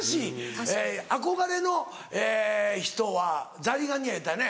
憧れの人はザリガニや言うたよね？